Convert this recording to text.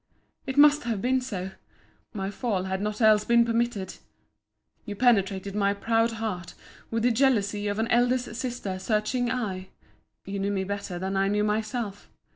It must have been so! My fall had not else been permitted— You penetrated my proud heart with the jealousy of an elder sister's searching eye. You knew me better than I knew myself.